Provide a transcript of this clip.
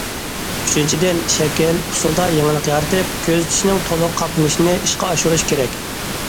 ئۈچىنچىدىن، شەكىل، ئۇسۇلدا يېڭىلىق يارىتىپ، كۆزىتىشنىڭ تولۇق قاپلىنىشىنى ئىشقا ئاشۇرۇش كېرەك.